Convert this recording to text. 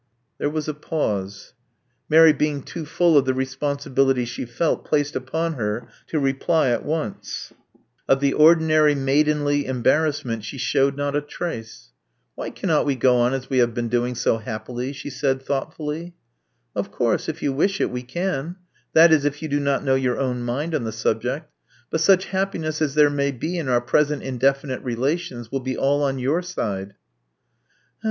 There was a pause, Mary being too full of the responsibility she felt placed upon her to reply at once. 28 Love Among the Artists Of the ordinary maidenly embarassment she shewed not a trace. Why cannot we go on as we have been doing so happily?" she said, thoughtfully. Of course, if you wish it, we can. That is, if you do not know your own mind on the subject. But such happiness as there may be in our present indefinite relations will be aU on your side."